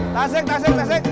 tasik tasik tasik